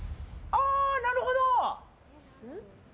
ああ、なるほど。